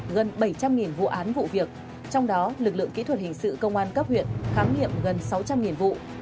gần bảy trăm linh vụ án vụ việc trong đó lực lượng kỹ thuật hình sự công an cấp huyện khám nghiệm gần sáu trăm linh vụ